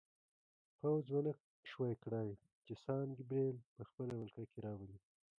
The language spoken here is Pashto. پوځ ونه شوای کړای چې سان ګبریل په خپله ولکه کې راولي.